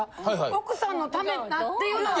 奥さんのためだっていうのは。